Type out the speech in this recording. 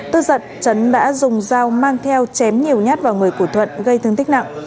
tức giận chấn đã dùng dao mang theo chém nhiều nhát vào người của thuận gây thương tích nặng